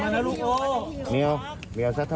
พี่ปรับยังไม่ได้หรอครับ